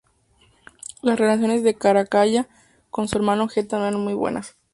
Las relaciones de Caracalla con su hermano Geta no eran buenas.